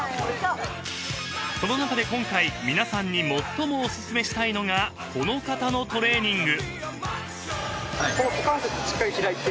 ［この中で今回皆さんに最もお勧めしたいのがこの方のトレーニング］